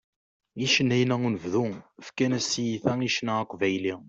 Icennayen-a n unebdu fkan-as tiyita i ccna aqbayli.